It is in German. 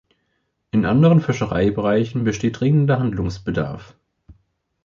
In anderen Fischereibereichen besteht dringender Handlungsbedarf.